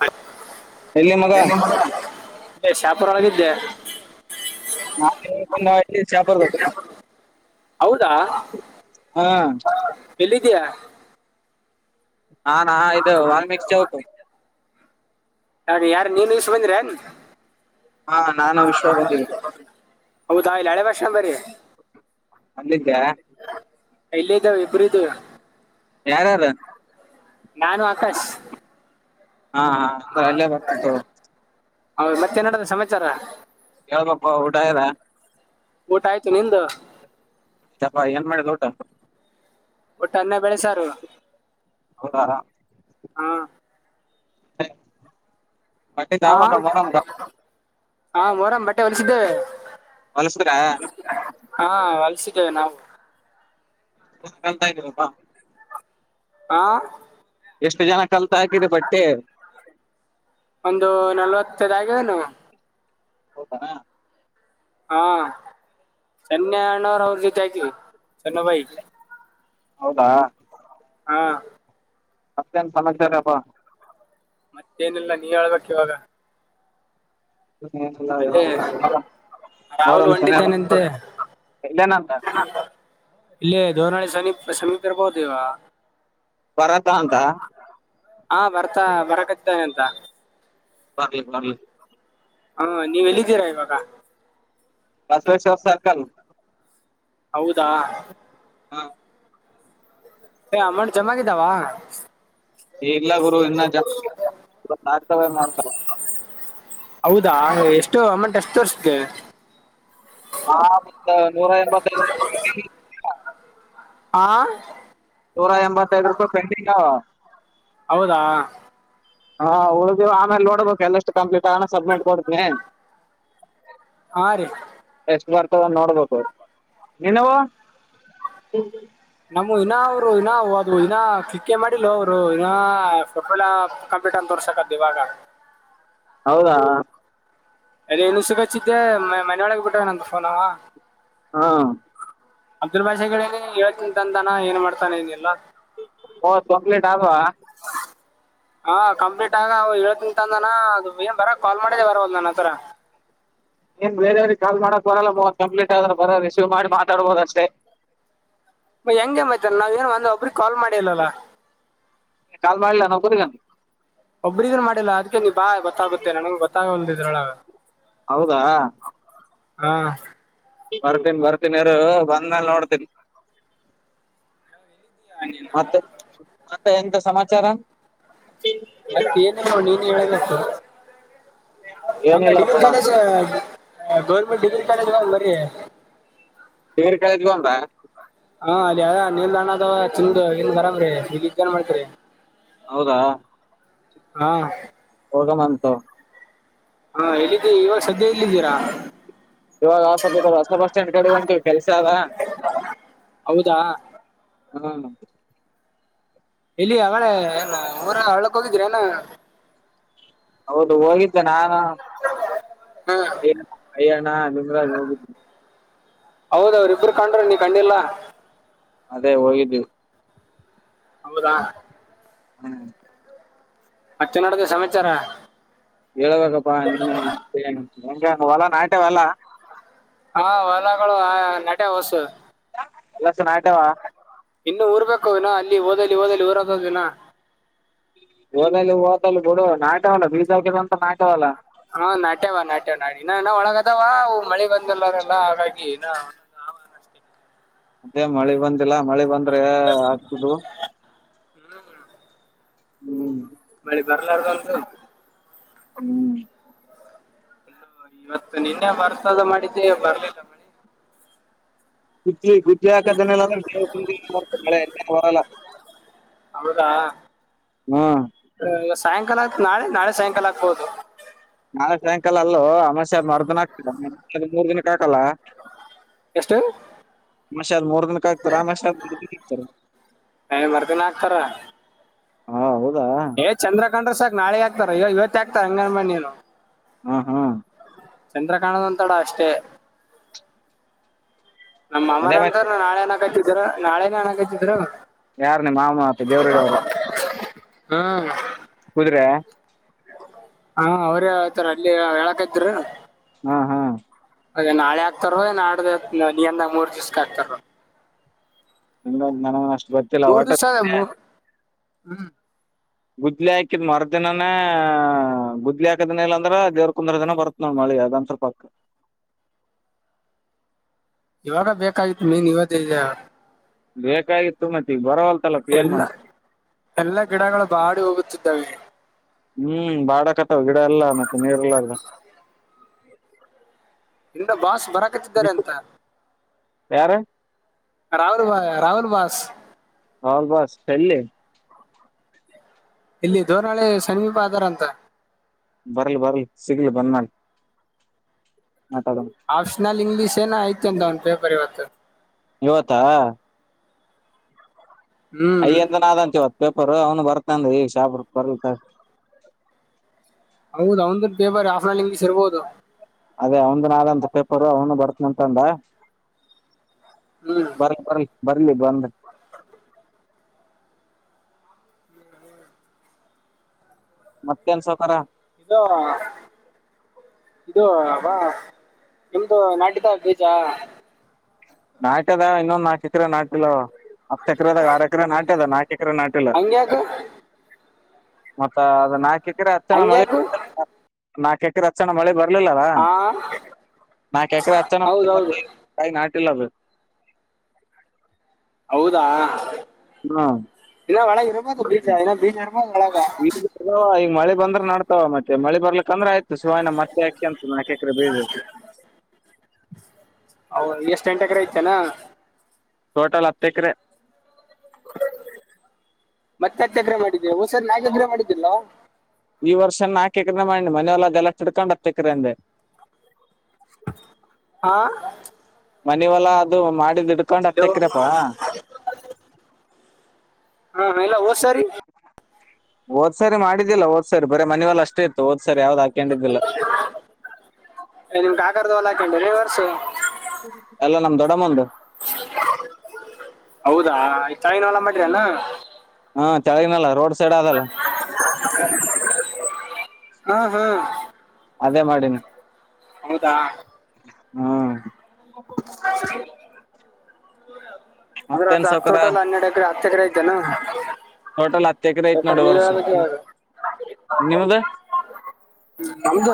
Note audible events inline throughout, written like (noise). ಹ ಎಲ್ಲಿ ಮಗ ಶಾಪ (unintelligible) ಪರೊಗಿದ್ದೆ (unintelligible) ನಾ ಚಾಪರ್ಬೇಕ ಹೌದಾ ಹಾ ಇದಯಾ ಹಾ ನಾ ಇದು ವಾಲ್ಮೀಕ್ ಚೌಕ ಹಾಗೆ ಯಾರ ನೀನು ಶುಭಂದ್ರನ್ ಹಾ ನಾನ ವಿಶ್ವ ಬಂದೀ ಭಕ್ಷ ಬರ ಅಂದಿದ್ದ ಇಲ್ಲೇ ಇದ್ದಾವ ಇಬರು ಇದ್ದ ಯಾರ್ಯಾರು ನಾನು ಆಕಾಶ್ (unintelligible) ಹಾ ಹ ಅಂದ್ರೆ ಅಲ್ಲೇ ಬರ್ತತ್ತು ಹ ಮತ್ತೆ ನಡ ಸಮಾಚಾರ ಹೇಳ್ಬಪ್ಪ ಊಟ ಇದ ಊಟ ಆಯ್ತು ನಿದ ಚಪಾ ಏನ್ ಮಾಡುದು ಟ ಒಟ್ಟು ಅನ್ನ ಬೆಳೆಸಾರು ಹೌದಾ (inaudible) ಮಟ್ಟೆ ಹಾ ಚಾವ ಕ ಮರ ಹಾ ಮೋರಾಮ್ ಬಟ್ಟೆ ಹೊಲಸಿದ್ದೇ ಹೊಲಸಿದ್ರ ಹಾ ವಲ್ಸಿದ್ದೇವೆ ನಾವು ಗಂತರಪ್ಪಾ ಹ ಎಷ್ಟು ಜನ ಕಲ್ತ ಹಾಕಿರಿ ಬಟ್ಟಿ ಒಂದು ನಲ್ವತ್ತದ ಆ್ಯದನು ಹೌದಾನ (inaudible) ಚನ್ನ ಭೈ ಹೌದಾ ಹಾ ಅತ್ಯಂತ ಸಮಾಚಾರಪ್ಪ ಮತ್ತೇನಿಲ್ಲ ನೀ ಹೇಳ್ಬೇಕಕ್ ಇವಾಗ ಅದೇ ಏನಿಲ್ಲ ರಾಹುಲ್ ಮೊಹರಂ ಶನಿವಾರ ಹೊಂಟಿದ್ದಾನೆಂತೆ ಇಲ್ಲೇನಂತ ಇಲ್ಲೇ ದೇವ ನೈಸ್ ಸಮ ಸಮೀಪರ ಬೌದುವಾ ಪರತಂತ ಮರಕ್ದೆ ಅಂತ ಬ ಬ ಹಾ ನೀವ ಎಲ್ಲಿದ್ದೀರಾ ಇವಾಗ ಬಸವೇಶ್ವರ್ ಸರ್ಕಲ್ ಹೌದು ತ್ತಾ ಹಾ ಅಮೌಂಟ್ ಜಮಾಗಿದ್ದಾವ ಇಲ್ಲ ಗುರು ಇನ್ನ ಜವ ಮಾಡ ಹೌದಾ ಎಷ್ಟು ಅಮೌಂಟ್ ಎಷ್ಟು ತರ್ಸ್ದೆ ಹ ಒಂದು ನೂರ ಎಂಬತ್ತದು ಆಾ ನೂರಾ ಎಂಬತ್ತೈದು ರೂಪಾಯಿ ಪೆಂಡಿಂಗ್ ಹೌದಾ ಹಾ ಉಳ್ದವು ಆಮೇಲೆ ನೋಡ್ಬೇಕು ಎಲ್ಲಷ್ಟು ಕಂಪ್ಲೀಟ್ ಆಗಣ ಸಬ್ಮಿಟ್ ಕೊಡ್ತನಿ ಹಾ ರೀ ಬರ್ತದ ನೋಡ್ಬೇಕು ನೀವು ನಮ್ಮ ಇನ್ನ ಅವ್ರು ಇನ್ನ ಅದ ಇನ್ನ ಕ್ಲಿಿಕ ಮಾಡಿಲ್ಲ ಅವರು ಇನ್ನ ಫೋಟೋ ಎಲ್ಲ ಕಂಪ್ಯೂಟನ್ ತೋರ್ಸಕದು ಇವಾಗ ಹೌದಾ ಅದ ಇನು ಸುಗಚ್ಚಿದ್ದೆ ಮನೆಯೊಳಗೆ ಬಿಟ್ಟವ ನಂತ ಫೋನ್ ಅವ ಹಾ ಅಬ್ದುಲ್ ಭಾಷೆನೆ ಹೇಳ್ತೀಿಂತಂದಂತಾನ ಏನ್ ಮಾಡ್ತಾನೆ ಇದನಿಲ್ಲಾ ಮೂವತ್ ಕಂಪ್ಲೀಟ್ ಆದ್ವಾ ಹಾ ಕಂಪ್ಲೀಟ್ ಆಗ ಹೇಳ್ತಂತಂದಾನ ಅ ಏನ್ ಬರ ಕಾಲ್ ಮಾಡಿದ್ದೆ ಬರ ಒ ನನ್ ಆತರ ಏನ್ ಬೇರೆಯವ್ರಿಗೆ ಕಾಲ್ ಮಾಡಕ್ ಬರಲ್ಲ್ ಕಂಪ್ಲೀಟ್ ಆದ್ರ ಬರ ರಿಸೀವ್ ಮಾಡಿ ಮಾತಾಡ್ಬೋದ ಅಷ್ಟೇ ಹೆಂಗೆ ಮ್ತಾರೆ ನಾವ್ ಏನ್ ಒಂದ ಒಬ್ರ ಕಾಲ್ ಮಾಡಿಲ್ಲಲ್ಲ ಕಾಲ್ ಮಾಡಿಲ್ಲ ನಾ್ ಕೊರಿ ಒಬ್ರಿಗೂ ಮಾಡಿಲ್ಲ ಇದ್ರಳ ಹೌದಾ ಹಾ ಬರ್ತೀನ್ಿ ಬರ್ತೀನಿಾರರು ಬಂದ್ಮೇಲ್ ನೋಡ್ತನಿ ಮತ್ತೆ ಮತ್ತೆ ಎಂತ ಸಮಾಚಾರ ಹ ನಂಗ ಏನಿಲ್ಲಪ್ಪ degree college government degree college ಬರಿೀ ಬೇರೆ ಕಳ ಇದಗೊಂಡ್ರ ಹಾ ಅಲ್ಲಿ ಯ ನೀಲ್ದಾಣ ಅದ ಚಿಂದ ಹನ್ ಬರಾಮ್ರೀ ಈಗಗ ಏನ್ ಮಾಡ್ತರಿ ಹೌದಾ ಹಾ ಓದ ಮಾಸ ಹಾ ಎಲ್ಲಿದ್ದೀ ಇವಾಗ ಸದ್ಯ ಎಲ್ಲಿದ್ದೀರಾ ಇವಾಗ ಹೊಸ ಬಸ್ ಸ್ಟ್ಯಾಂಡ್ ಕಡೆ ಉಂಟುವಿ ಕೆಲ್ಸ ಆದದ ಹೌದಾ ಹ್ಮ್ ಇಲ್ಲಿ ಅವಳೆ ಏ ಊರ ಅವಳಕ್ ಹೋಗಿದ್ರ ಏನ ಹೌದು ಹೋಗಿದ್ದೆ ನಾನು ಹಾ ಏನು ಹರಿಯಾಣ ಮಜರಾಜ್ ನ ಹೌದ ಅವ್ರ ಇಬರು ಕಂಡ್ರ ನೀ ಕಂಡಿಲ್ಲಾ ಅದೇ ಹೋಗಿದ್ವಿ ಹೌದಾ ಹ್ಮ್ ಮತ್ತೆ ನೋಡ್ದ ಸಮಾಚಾರ ಹೇಳ್ಬೇಕಪ್ಪ ನಿನ್ನೆ ಹೆಂಗಂಗ ಹೊಲಾ ನಾಟೆ ಹೊಲಾ ಹಾ ಹೊಲಗಳು ನಟೆ ಹೊಸು ಅಲ್ಲ ಇನ್ನು ಊರ್ಬೇಕು ವಿನೋ ಅಂನ್ ಲ್ಲಿ ಓದಲಿ ಓದಲಿ ರೋದ ದಿನ ಓದಲ್ಲಿ ಓದ ಬಿಡ ನಾಟವಲ್ಲ ಬೀಜಿ ಅಂತ ನಾಟವಲ್ಲ ಹಾ ನಾಟ್ಯವ ನಾಟ್ಯ ನಾಡಿ ಇನ್ನ ಇನ ಒಳಗದಾವ ಮಳೆ ಬಂದಲ್ಲಾರಲ್ಲ ಹಾಗಾಗಿ ಒೊ ಆ್ವಾನ ಅಷ್ಟತೇ ಮತ್ತೆ ಮಳೆ ಬಂದಿಲ್ಲ ಮಳೆ ಬಂದ್ರೆ ಆಗ್ತುದು ಹ್ಮ್ ಮಳಿ ಬರ್ಲಾರ್ದಂತು ಹ್ಮ್ ರಿ ಇವತ್ತು ನಿನ್ನೆ ಬರ್ತದ ಮಾಡಿದ್ದೆ ಬರ್ಲಿಲ್ಲ ಮಳೆ ಗುದ್ಲಿ ಗುದ್ದೇ ಹಾಕದ ಮಳೆ ಬರಲ್ಲ ಹೌದಾ ಆ, ಹ್ಮ ಇವತ್ತು ಸಾಯಂಕಾಲ ನಾಳೆ ನಾಳೆ ಸಾಯಂಕಾಲ ಆಗ್ಬೋದು ನಾಳೆ ಸಾಯಂಕಾಲ ಅಲ್ಲೂ ಅಮಾಶ್ಯ ಆದ್ ಮರ್ದನ್ ಆಗ್ತಿದೆ ಮೂರ್ ದಿನಕ್ಕೆ ಹಾಕಲ್ಲ ಎಷ್ಟು ಮಷಾದ ಮೂರ್ ದಿನಕ್ಕೆ ಹಾಕ್ತಾರ ಮಷ ಮೂರ್ ದಿನ ಹಾಕ್ತಾರ ಏ ಮರ್ದಿನ ಹಾ ಹೌದು ಹೇ ಚಂದ್ರ ಹಾಕೊಂಡ್ರೆ ಸಾಕ ನಾಳೆ ಆಗ್ತ ಇವತ್ತು ಆಗ್ತಾರ ಅಂಗನನ್ಮಣ್ಣನು ಹಾ ಹಾ ಚಂದ್ರಕಾಣದೊಂತಡ ಅಷ್ಟೇ ನಮ್ಮ ಮರ ಅದೇ ಅಂತ ಮತ್ತೆ ನಾಳೆ ಅನಕ ಇದ್ರ ನಾಳೆ ನನ್ಾಗತಿದ್ರು ಯಾರ್ ನಿ ಮಾಮ ಅತ್ತ ದೇವರುಡ ಅವರ ಹ್ಮ್ ಕುದುರೆ ಹಾ ಅವ್ರ ಆತಾರ ಅಲ್ಲಿ ಹೇಳಕ್ತ್್ರ ಹಾ ಹಾ ಅದ ನಾಳೆ ಆಗ್ತಾರ ನಾಡ್ದ ನೀಿಯಂದ ಮೂರ್ ದಿವ್ಸಕ್ಕೆ ಆಗ್ತಾರ ಇಗೋ ಒಂದ್ ಮಾಡೋಣ ಅಷ್ಟು ಗೊತ್ತಿಲ್ಲ ವಾಟೆ ಪುಟ್ಟೇ ಹ್ಮ್ ಗುದ್ಲಿ ಹಾಕಿದ್ ಮರ್ದಿನನ ಗುದ್ಲಿ ಹಾಕದಿನ ಇಲ್ಲಾಂದ್ರ ದೇವ್ರ ಕುಂದ್ರ ದಿನ ಬರತ್ ನೋ ಮಳಿ ಅದಂದ ಸ್ವಲ್ಪಕ್ಕ ಇವಾಗ ಬೇಕಾಗಿತ್ ಮೀನ್ ಇವತ್ತ ಬೇಕಾಗಿತ್ತುು ಮತ್ತಗ ಬರವಲ್ ಎಲ್ಲ ಎಲ್ಲಾ ಗಿಡಗಳು ಬಾಡಿ ಹೋಗುತ್ತಿದ್ದಾವೆ ಹ್ಮ್ ಬಾಡಕತಾವ ಗಿಡ ಎಲ್ಲ ಮತ್ತೆ ನೀರೆಲ್ಲ ಅಲ್ಲ ಇ ಬಾಷ ಬರ ಕಚ್ಚಿದ್ದಾರೆ ಅಂತ ಯಾರ ರಾಹುಲ್ ಬ ರಾಹುಲ್ ಬಾಸ್ ಹೌ ಬಸ್ ಎಿ ಇಲ್ಲಿ ಧೋರಣಾಳೆ ಸಮೀಪ ಆಧಾರ ಅಂತ ಬರಲ್ ಬರಲ್ ಸಿಗ್ಲ್ ಬಂದ್ ಮಾಡಳ ನಟದ ಇಂಗ್ಲೀಷ್ ಏನ ಆಐತು ಅಂತ ಒಂದಂದು ಪೇಪರ್ ಇವತ್ತು ಇವತ್ತಾ ಹ್ಮ್ ಅಯ್ಯಂದ ನಾದಂ ಚತ್ತು ಪೇಪರ್ ಅವನು ಬರ್ತಾನ ಈಗ ಶಾಪ ಬರ್ಲತ ಹೌದು ಒಂದ ಪೇರ್ ಆಫಂಗ ಇರ್ಬೋದು ಅದೇ ಅವನ ನಾಳಂತ ಪೇಪರು ಅವನು ಬರ್ತನಂತಂದ ಹ್ಮ್ ಬರ ಬರ ಬರ್ಲಿ ಬ ಬಂದ ಮತ್ತೆನ್ ಸೌಕಾರರ ಇದು ಇದು ಅಬ ನಿಮ್ದು ನಾಟ್ಯಿದ ಬೀಜ ನಾಟದ ಇನ್ನೊಂದುಾ ಚಿತ್ರ ನಾಟ್ಯಲ ಹತ್ತು ಎಕರೆದಾಗ ಆರು ಎಕರೆ ನಾಟ ಅದ ನಾಕ ಎಕರೆ ನಾಟಲ್ಲ ಹಂಗ್ಯಾಕು ಮತ್ತ ಅದ ನಾಕೆ ್ರ ಅಚ್ಚಣ ಮಳೆ ಹಂಗ್ಯಾಕು ನಾಕ್ಕ ರ ಅಕ್ಷಣ ಮಳೆ ಬರ ಲ್ಲ ಆ ನಕೆಕಡೆ ಅಚ್ಚ ಹೌದೌದು ಇಲ್ಲಭ ಹೌದಾ ಹ್ಮ ಇಾಳಗೆ ಇರ ಬ ಬ ಈ ಮಳೆ ಬಂದ್ರ ನಡ್ತಾವ ಮತ್ತೆ ಮಳೆ ಬರ್ಲಿಕ್ಕೆ ತೊಂದ್ರೆ ಆಯ್ತು ಸಿವಾಯಣ್ಣ ಮತ್ತೆ ಯಕ್ಕ್ಷೆ ಅಂತ ನಕಕ್ರೆ ಬೀ ಚನ ಟೋಟಲ್ ಹತ್ತು ಎಕರೆ ಮತ್ತೆ ಎಗ್ರೆ ಮಾಡಿದ್ದ ಹೊಸದ ನಾ ಎಗ್ರೆ ಮಾಡಿದ್ದಿಲ್ಲ ಈ ವರ್ಷನ ನಾಕೆಕ್ರ ಮಾಡಣಿ ಮನ ಎಲ್ಲ ಗಲತ್ ಇಡ್ಕೊಂಡತ ಎಕ್ರ ಅಂದೆ ಹಾ ಮನವಲ್ಲಾ ಅದು ಮಾಡಿದ ಅಲೋ ಹ್ಮ ಎಲ್ಲ ಓಸಾರಿ ಒೋದ್ಸರಿ ಮಾಡಿದ್ದಿಲ್ಲ ಹ ಒದ್ ಸಾರಿ ಬರೀ ಮನವಲ್ಲ ಅಷ್ಟೇ ಇತ್ತುದ್ ನಿಮ್ಗೆ ಕಾಕದ ಹೊಲ ಹಾಕೊಂಡವ ಶ ಎಲ್ಲ ನಮ್ಮ ದೊಡ್ಡಮ್ಮುಂದು ಹೌದಾ ಆ ತಾಯಿನ ಹೊಲ ಮಾಡರಾನ ಹಾ ಚಳನಲ್ಲ ರೋಡ್ ಸೈಡ್ ಅದಲ್ಲ ಹಾ ಹಾ ಅದೇ ಮಾಡಿನಿ ಹೌದಾ ಹ್ಮ ಅ್ರ ಮತ್ತೇನ್ ಹತ್ತು ಸಾವ್ಕಾರ ತೋಟಲ್ಲ ಹನ್ನೆರಡು ಎಕರೆ ಹತ್ತು ಎಕರೆ ಐತೆನ ಟೋಟಲ್ ಹತ್ತು ಎಕರೆ ಐತ್ ಸ್ವಲ್ಪ ನೋಡಿ ನೀವ ವರ್ಷ ಹೇಳ್ಬೇಕ್ ನಿಮ್ದ ಇವಾಗ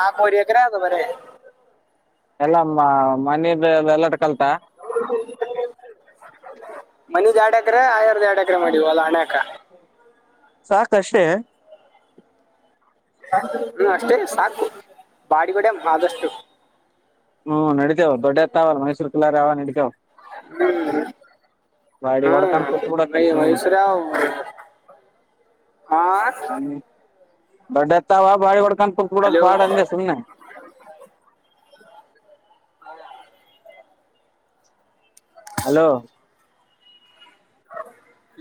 ನಾಕುವರೆ ಮರ ಅದು ಬರೇ ಎಲ್ಲಮ್ಮ ಮನದಲ್ಲ ಚಲ್ತ ಮನಿದ ಎರಡು ಎಕರೆ ಆಯರ್ ದ ಎರಡು ಎಕರೆ ಮಾಡಿವ ಹೊಲ ಅಣಕ ಸಾಕಷ್ಟೇ. ಹ್ಮ್ ಅಷ್ಟೇ ಸಾಕು ಬಾಡಿಗಡೆ ಆದಷ್ಟು. ಹ್ಮ್ ನಡಿತೇವ ದೊಡ್ಡತ್ತಾವಲ್ಲ ಮೈಸೂರ್ ಕಲ್ಲಾರೆ ಆ ನಡಿತಾವ ಹಾ ವೈಷರಾವ ಹಾ ಬಡಾಾವ ಭಾರಿ ಬ ಕಪ ಕೂಡ ಹಲೋ ಪಾಡ ಅಂದೆ ಸುನೆ. Hello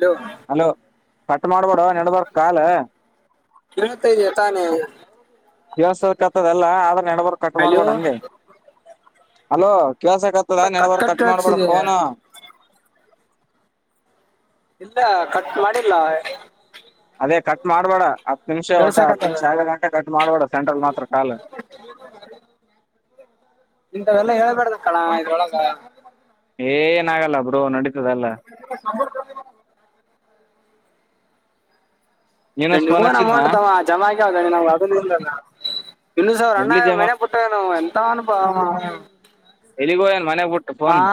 hello. ಅಲೋ ಕಟ್ ಮಾಡ್ಬೋಡ ನಡಬರ್ ಕಲ್. ಇವತ್ತೈದ ತಾನೇ ದವಸದಕ್ಕೆತದದೆಲ್ಲ ಆ ನಡಬರ್ ಕಟ್ ಹಲೋ ಮಾಡೋ್ಬಾರಡ ಅಂದೆ ಹಲೋ ಕೆಲ್ಸಕ್ ಆತದ ನೆಡವರ್ ಕಟ್ ಮಾಡ್ಬಿಡ ಫೋನ ಇಲ್ಲ ಕಟ್ ಮಾಡಿ ಇಲ್ಲ ಮಾಡಬೇಡ ಹತ್ತು ನಿಮಿಷ ಒಟ್ಟ ಹತ್ತು ನಿಮಿಷ ಆಗತನಕ ಕಟ್ ಮಾಡಬೇಡ ಸೆಂಟ್ರಲ್ ಮಾತ್ರ ಕಾಲ್ ಕಳ ಏನ ಆಾಗಲ್ಲ ಬ್ರೋ ನಡಡಿ (inaudible) ಹೇ ನೀನು ಫೋನ್ ನಿಮ್ಮವನ್ ಹಚ್ಚಿದ್ನಾ ಅಮೌಂಟ್ ತಾವು ಜವಾಸ ಹಣೆ ನಾ್ ಅದಲ್ಲ ಇಲ್ಲ ಇನ್ನು ಸಾವ ರಂಡ ಎಲ್ಲಿ ಜಮಾ ಮನೆ ಪುಟ್ಟ ನವು ಎಂತ ಅನುಭವ ಮ ಫನ್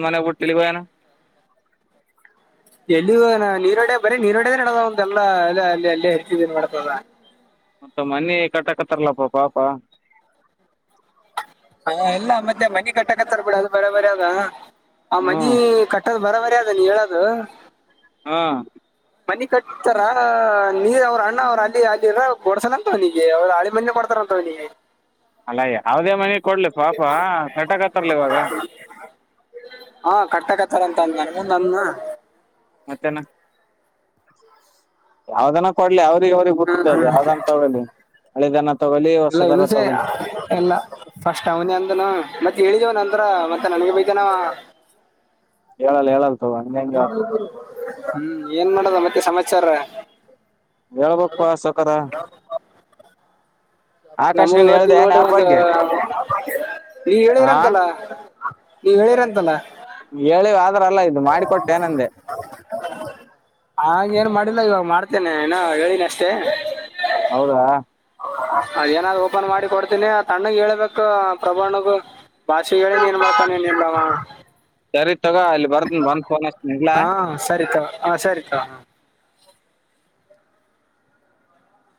ನ್ ಮ ಬುಟ್ಟ ತಿಲ್ಲಿಗಯನ ಎಲ್ಲಿಗ ಹೋಗ್ಯಾನ ನೀರೋಡ ಬರೀ ನೀರೋಡದೆ ನಡದಂತೆಲ್ಲಾ ಅ ಅಲ್ಲಿ ಅಲ್ಲೇ ಹಚ್ಚಿದ ಏನ್ ಮಾಡ್ತದ ಮತ್ತ ಮನೆ ಕಟ್ಟಾಕತ್ತಾರಲ್ಲಪ್ಪಾ ಪಾಪ. ಹಾ ಎಲ್ಲ ಮತ್ತೆ ಮನೆ ಕಟ್ಟಕತ್ತರ್ ಬಿಡ ಅದು ಬರ ಬರ ಅದ. ಆ ಮನಿ ಹ್ಮ್ ಕಟ್ಟದ ಬರೋಬ್ಬರಿಯಾದ ಅ ನೀ ಹೇಳದು ಹಾ ಮನಿ ಕಟ್ಟತಾರ ನೀರ್ ಅವ್ರ ಅಣ್ಣ ಅವ್ರ ಅಲ್ಲಿ ಅಲ್ಲಿರ ಕೋಡ್ಸಲಂತವಿಗೆ ಅವರು ಹಳಿ ಮನೆ ಮಾಡ್ತಾರಂತವ್ಗೆ. ಅಲ್ಲ ಯಾವುದೇ ಮನೆ. ಕೊಡ್ಲಿ ಪಾಪ ಕಟಗತ್ತರ್ಲಿ ಇವಾಗ. ಹಾ ಕಟ್ಟಕಥರ ಅಂತ ಅಂದ ನಾನ ಮುಂದ ಅಂದನಾ ಮತ್ತೇನು ಯಾವ್ದನ ಕೊಡ್ಲಿ ಯಾವ ಅವ್ರಿಗೆ ಹ್ಮ್ ಬಿಟ್ಟದಅದ ಹ್ಮ್ ಯಾವ್ದಂತ ತಗೋಳಿ ನೀವು ಹಳೇದ. ಇಲ್ಲ ಇನ್ನುಸೆ ಎಲ್ಲ ಫಸ್ಟ್ ಅವನೇ ಅಂದನು ಮತ್ತೆ ಹೇಳಿದವನ ಅಂದ (inaudible) ಹ ಮತ್ತೆ ನನ್ಗೆ ಬೈತನ ಹೇಳಲ್ಲ ಹೇಳಲ್ಲ. ತಗೋ ಹಂಗೆ ಹ್ಮ್ ಏನ್ ಮಾಡೋದ ಮತ್ತೆ. ಸಮಾಚಾರ ಹೇಳ್ಬೇಕಪ್ಪ ಸವಕಾರ. ನಮ್ಮ ಇವತ್ತ ಏನ್ ನೋಡ್ರಿ ಆ್ಯಪ್ ಒಂದು ಬಗ್ಗೆ ನೀವ ಹಾ ಹೇಳಿದಿರಂತಲ್ಲ. ನೀವ್ ಹೇಳಿರಂತಲ್ಲ. ಹೇಳಿವ ಆದ್ರ ಅಲ್ಲ ಇದು ಮಾಡಿಕೊಟ್ಟೆ ಏನಂದೆ ಹಾಗೇಏನು, ಮಾಡಿಲ್ಲ, ಇವಾಗ, ಮಾಡ್ತೇನೆ! ಏನು, ಹೇಳಿದೀನಿ, ಅಷ್ಟೆ. ಹೌದಾ (unintelligible) ಅದ, ಏನಾದ್ ಓಪನ್ ಮಾಡಿ ಕೊಡ್ತೀನಿ! ಆ ತಣ್ಣಗ್, ಹೇಳ್ಬೇಕು, ಪ್ರಭು, ಅಣ್ಣನಿಂಗು. (unintelligible) ಬಾಷಿ, ಹೇಳಿನಿ, ಏನ್ ಮಾಡ್ತಾನ, ಇನ್ನೆಲ್ಲಾವಾ. (inaudible) (unintelligible) (inaudible) ಸರಿ. (inaudible) ತಾಕೋ, ಇಲ್ಲಿ, ಬರೀತೀನಿ, ಬಂದ ಫೋನ್, ಅಚ್ಯುತೀನಿ, ಇದ್ದಲ್ಲಾ. ಹಾ (unintelligible) ಸರಿ ತಗೋ ಹಾ, ಸರಿಕಾ.. (inaudible)